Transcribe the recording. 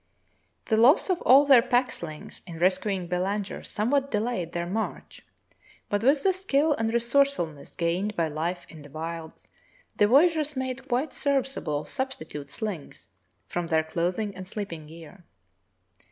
The loss of all their pack slings in rescuing Belanger somewhat delayed their march, but with the skill and resourcefulness gained by life in the wilds, the voya geurs made quite serviceable substitute slings from their clothing and sleeping gear.